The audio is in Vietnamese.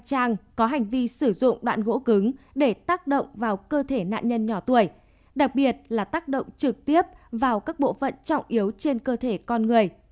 trang có hành vi sử dụng đoạn gỗ cứng để tác động vào cơ thể nạn nhân nhỏ tuổi đặc biệt là tác động trực tiếp vào các bộ phận trọng yếu trên cơ thể con người